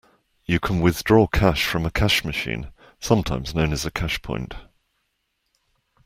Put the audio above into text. You can withdraw cash from a cash machine, sometimes known as a cashpoint